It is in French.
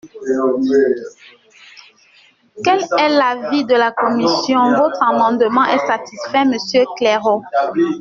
Quel est l’avis de la commission ? Votre amendement est satisfait, monsieur Claireaux.